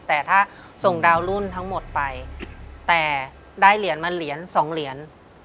แต่ถ้าส่งดาวรุ่นทั้งหมดไปแต่ได้เหรียญมาเหรียญ๒เหรียญ